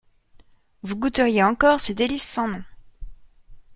Vous goûteriez encore ces délices sans nom.